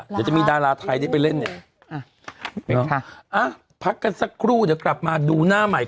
เดี๋ยวจะมีดาราไทยได้ไปเล่นเนี่ยพักกันสักครู่เดี๋ยวกลับมาดูหน้าใหม่